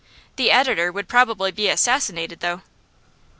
The editor would probably be assassinated, though.